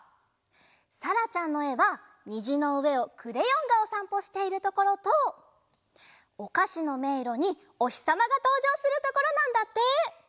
さらちゃんのえはにじのうえをクレヨンがおさんぽしているところとおかしのめいろにおひさまがとうじょうするところなんだって！